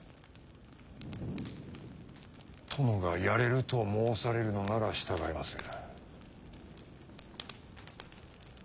殿がやれると申されるのなら従いまする。